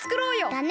だね！